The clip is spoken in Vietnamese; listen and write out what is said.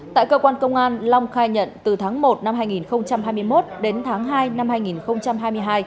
tại cơ quan công an long khai nhận từ tháng một năm hai nghìn hai mươi một đến tháng hai năm hai nghìn hai mươi hai